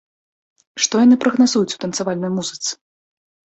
Што яны прагназуюць у танцавальнай музыцы?